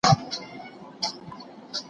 لمر روښانه ځلېږي